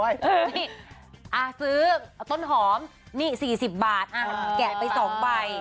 นี่ซื้อต้นหอมนี่๔๐บาทแกะไป๒ใบ